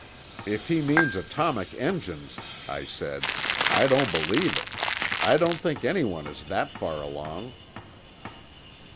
"If he means atomic engines," I said, "I don't believe it. I don't think anyone is that far along."